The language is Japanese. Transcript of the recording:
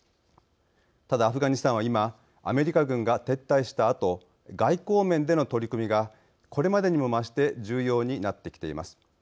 ただ、アフガニスタンは今アメリカ軍が撤退したあと外交面での取り組みがこれまでにも増して重要になってきています。